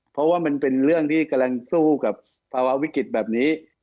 เพราะว่ามันเป็นเรื่องที่กำลังสู้กับภาวะวิกฤตแบบนี้